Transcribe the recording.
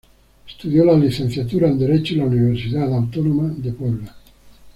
Estudió la licenciatura en derecho en la Universidad Autónoma de Puebla.